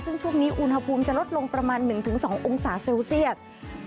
ซึ่งช่วงนี้อุณหภูมิจะลดลงประมาณ๑๒องศาเซลเซียต